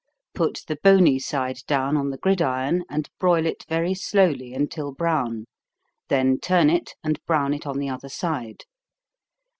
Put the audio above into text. Put the bony side down on the gridiron, and broil it very slowly until brown, then turn it, and brown it on the other side.